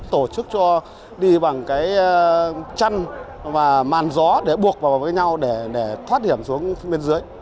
tổ chức cho đi bằng cái chăn và màn gió để buộc vào với nhau để thoát hiểm xuống bên dưới